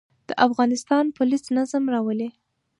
د افغانستان پولیس نظم راولي